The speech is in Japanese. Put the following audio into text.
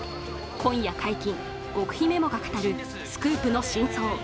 今夜解禁、極秘メモが語るスクープの真相。